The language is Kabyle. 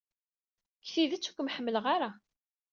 Deg tidet, ur kem-ḥemmleɣ ara.